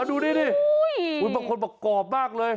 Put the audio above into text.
ดูดิคุณบางคนบอกกรอบมากเลย